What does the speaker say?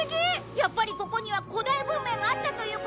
やっぱりここには古代文明があったということなんだよ。